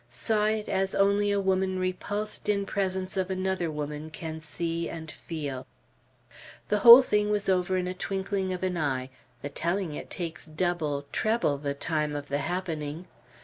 Saw it, as only a woman repulsed in presence of another woman can see and feel. The whole thing was over in the twinkling of an eye; the telling it takes double, treble the time of the happening.